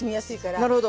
なるほど。